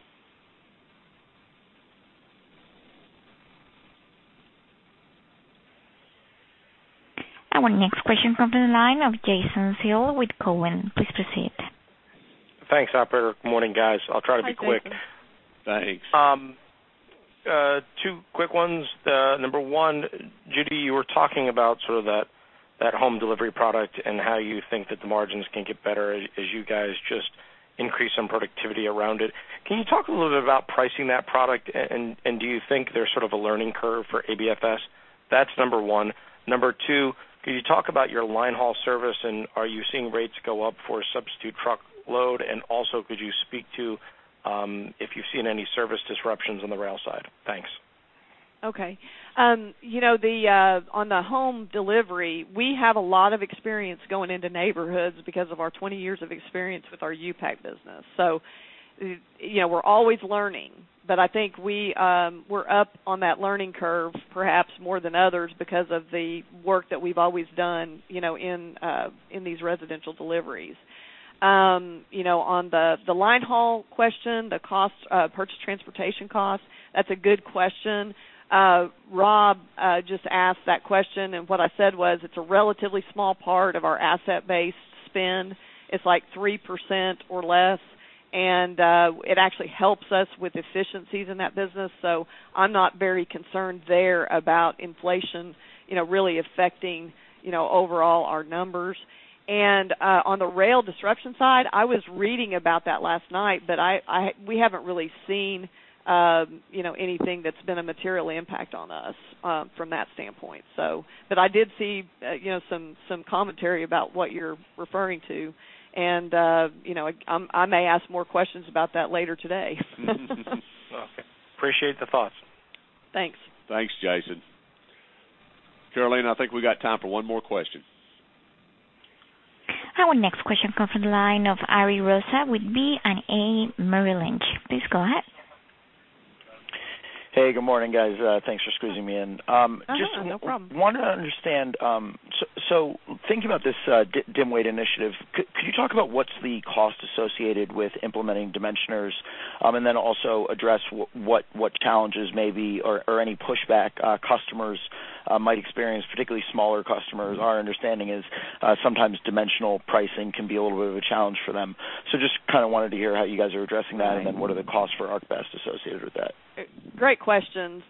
Our next question comes from the line of Jason Seidl with Cowen. Please proceed. Thanks, operator. Good morning, guys. I'll try to be quick. Hi, Jason. Thanks. Two quick ones. Number one, Judy, you were talking about sort of that, that home delivery product and how you think that the margins can get better as, as you guys just increase some productivity around it. Can you talk a little bit about pricing that product? And, and do you think there's sort of a learning curve for ABFS? That's number one. Number two, could you talk about your line haul service, and are you seeing rates go up for substitute truckload? And also, could you speak to, if you've seen any service disruptions on the rail side? Thanks. Okay. You know, the, on the home delivery, we have a lot of experience going into neighborhoods because of our 20 years of experience with our U-Pack business. So, you know, we're always learning, but I think we, we're up on that learning curve perhaps more than others because of the work that we've always done, you know, in, in these residential deliveries. You know, on the, the line haul question, the cost, purchase transportation cost, that's a good question. Rob, just asked that question, and what I said was, it's a relatively small part of our asset-based spend. It's like 3% or less, and, it actually helps us with efficiencies in that business. So I'm not very concerned there about inflation, you know, really affecting, you know, overall our numbers. On the rail disruption side, I was reading about that last night, but I, we haven't really seen, you know, anything that's been a material impact on us, from that standpoint. So but I did see, you know, some commentary about what you're referring to, and, you know, I may ask more questions about that later today. Okay. Appreciate the thoughts. Thanks. Thanks, Jason. Caroline, I think we got time for one more question. Our next question comes from the line of Ari Rosa with Bank of America Merrill Lynch. Please go ahead. Hey, good morning, guys. Thanks for squeezing me in. No problem. Wanted to understand, so thinking about this, dim weight initiative, could you talk about what's the cost associated with implementing dimensioners? And then also address what challenges maybe or any pushback customers might experience, particularly smaller customers. Our understanding is, sometimes dimensional pricing can be a little bit of a challenge for them. So just kind of wanted to hear how you guys are addressing that, and then what are the costs for ArcBest associated with that? Great questions.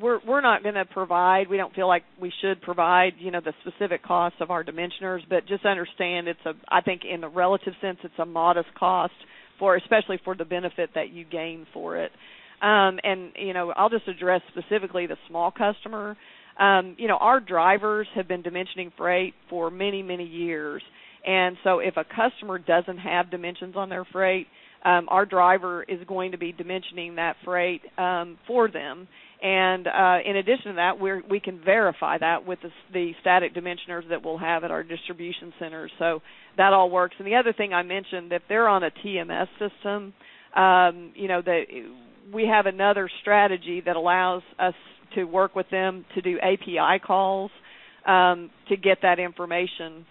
We're not gonna provide, we don't feel like we should provide, you know, the specific costs of our dimensioners, but just understand, it's a, I think, in the relative sense, it's a modest cost for, especially for the benefit that you gain for it. And, you know, I'll just address specifically the small customer. You know, our drivers have been dimensioning freight for many, many years. And so if a customer doesn't have dimensions on their freight, our driver is going to be dimensioning that freight, for them. And in addition to that, we're we can verify that with the static dimensioners that we'll have at our distribution center. So that all works. And the other thing I mentioned, if they're on a TMS system, you know, they, we have another strategy that allows us to work with them to do API calls to get that information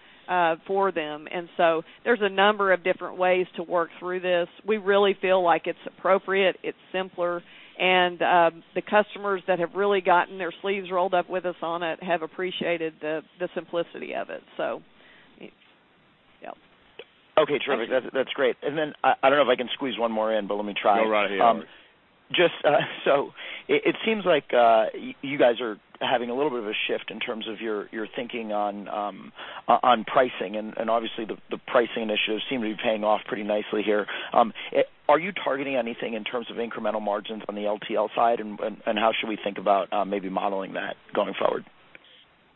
for them. And so there's a number of different ways to work through this. We really feel like it's appropriate, it's simpler, and the customers that have really gotten their sleeves rolled up with us on it have appreciated the simplicity of it. So, yep. Okay, terrific. That's, that's great. And then, I, I don't know if I can squeeze one more in, but let me try. Go right ahead. Just, so it seems like you guys are having a little bit of a shift in terms of your thinking on pricing, and obviously the pricing initiatives seem to be paying off pretty nicely here. Are you targeting anything in terms of incremental margins on the LTL side? And how should we think about maybe modeling that going forward?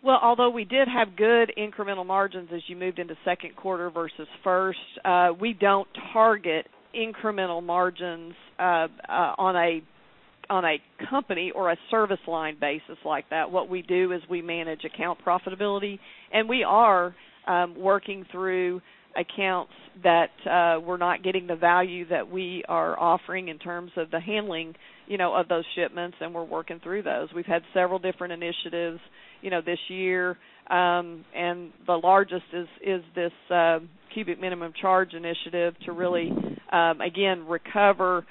Well, although we did have good incremental margins as you moved into second quarter versus first, we don't target incremental margins on a company or a service line basis like that. What we do is we manage account profitability, and we are working through accounts that we're not getting the value that we are offering in terms of the handling, you know, of those shipments, and we're working through those. We've had several different initiatives, you know, this year, and the largest is this Cubic Minimum Charge initiative to really again recover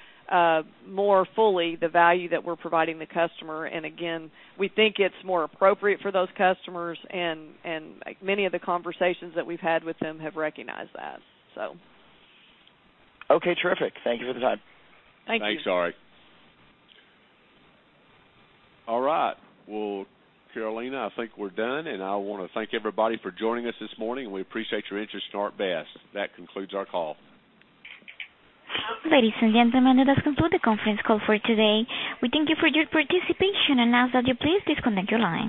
more fully the value that we're providing the customer. And again, we think it's more appropriate for those customers and many of the conversations that we've had with them have recognized that, so. Okay, terrific. Thank you for the time. Thank you. Thanks, Ari. All right. Well, Caroline, I think we're done, and I want to thank everybody for joining us this morning. We appreciate your interest in ArcBest. That concludes our call. Ladies and gentlemen, that does conclude the conference call for today. We thank you for your participation and ask that you please disconnect your line.